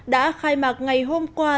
đã khai mạc ngày hôm qua